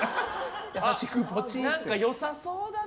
何かよさそうだな。